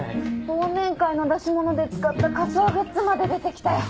忘年会の出し物で使った仮装グッズまで出て来たよ。